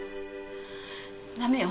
ダメよ。